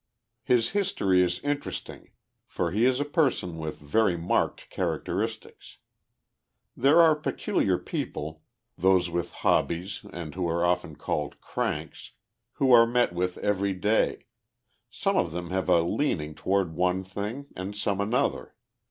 His history is interesting for he is a person with very marked characteristics. There are peculiar people, those with hobbies and who aie often called "cranks, who are met with everyday. — Some of them have a leaning toward one thing and some another.